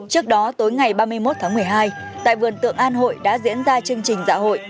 trước đó tối ngày ba mươi một tháng một mươi hai tại vườn tượng an hội đã diễn ra chương trình dạ hội